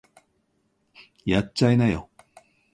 やっちゃいなよ